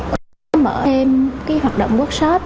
cũng có mở thêm hoạt động workshop